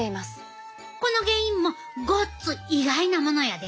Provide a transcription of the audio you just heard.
この原因もごっつ意外なものやで。